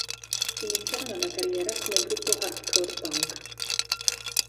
Iniziarono la carriera come gruppo hardcore punk.